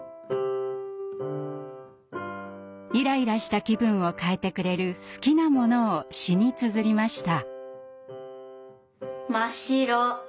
イライラした気分を変えてくれる好きなものを詩につづりました。